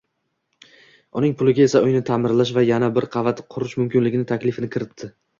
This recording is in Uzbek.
Uning puliga esa uyni ta`mirlash va yana bir qavat qurish mumkinligi taklifini kiritdi